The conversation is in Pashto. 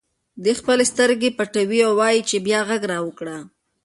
دی خپلې سترګې پټوي او وایي چې بیا غږ راوکړه.